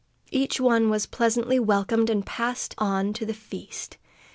Each one was pleasantly welcomed, and passed on to the feast.